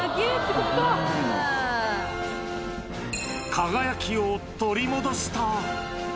輝きを取り戻した。